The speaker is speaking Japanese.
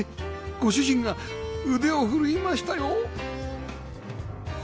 ご主人が腕をふるいましたよ